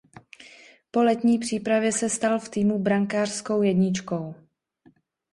Po letní přípravě se stal v týmu brankářskou jedničkou.